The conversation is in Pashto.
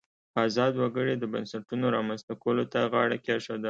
ازاد وګړي د بنسټونو رامنځته کولو ته غاړه کېښوده.